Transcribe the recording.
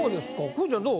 くーちゃんどう？